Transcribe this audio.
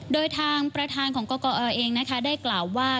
โดยทางประธานของกรกอเองนะคะได้กล่าวว่า